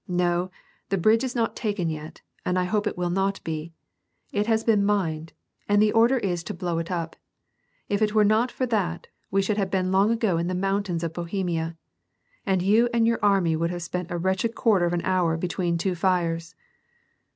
Xo, the bridge is not taken yet, and I hope it will not be. It baa been mined, and the order is to blow it up. If it were not for that, we should have been long ago in the mountains of Bohemia, and you and your army would have spent a wretched quarter of an hour between two fires."